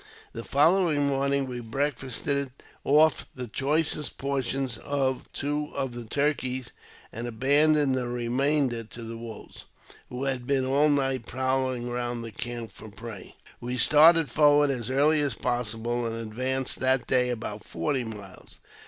The following morning we breakfasted off the choicest por tions of two of the turkeys, and abandoned the remainder to the wolves, who had been all night prowling round the camp for prey. We started forward as early as possible, and ad vanced that day about forty miles.